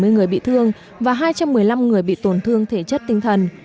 ba mươi người bị thương và hai trăm một mươi năm người bị tổn thương thể chất tinh thần